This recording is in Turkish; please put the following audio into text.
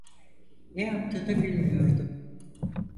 Ne yaptığını bilmiyordu.